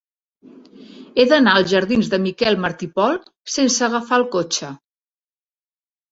He d'anar als jardins de Miquel Martí i Pol sense agafar el cotxe.